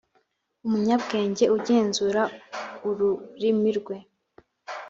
umunyabwenge ugenzura ururimi rwe